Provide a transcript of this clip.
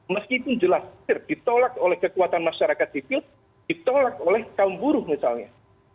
meskipun jelas ditolak oleh kekuatan masyarakat sipil ditolak oleh kaum buruh misalnya